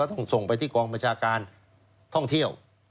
ที่กองบัญชาการท่องเที่ยว